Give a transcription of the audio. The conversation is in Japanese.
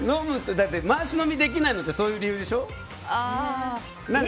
回し飲みできないのってそういう理由でしょ。